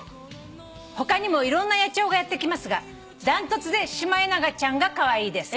「他にもいろんな野鳥がやって来ますが断トツでシマエナガちゃんがカワイイです」